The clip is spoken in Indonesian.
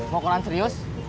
mau kelan serius